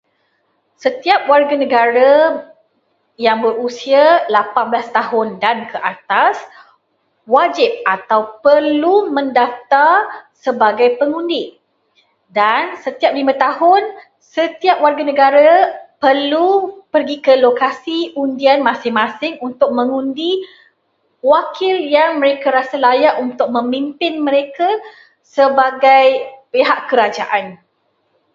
Setiap warganegara yang berusia lapan belas tahun dan ke atas wajib atau perlu mendaftar sebagai pengundi, dan setiap lima tahun, setiap warganegara perlu pergi ke lokasi undian masing-masing untuk mengundi wakil yang mereka rasa layak untuk memimpin mereka sebagai pihak kerajaan.